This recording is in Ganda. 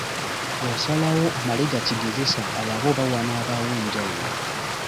Yasalawo amale gakigezesa alabe oba wanaabaawo enjawulo.